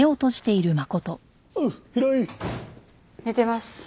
寝てます。